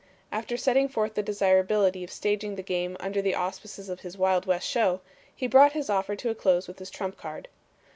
After setting forth the desirability of staging the game under the auspices of his Wild West Show, he brought his offer to a close with his trump card.